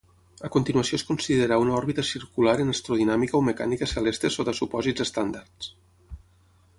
A continuació es considera una òrbita circular en astrodinàmica o mecànica celeste sota supòsits estàndards.